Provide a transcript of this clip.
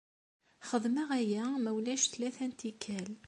Xedmeɣ aya ma ulac tlata n tikkal.